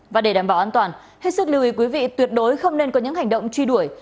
và để đảm bảo an toàn hết sức lưu ý quý vị tuyệt đối không nên có những hành động truy đuổi